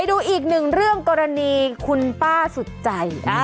ดูอีกหนึ่งเรื่องกรณีคุณป้าสุดใจ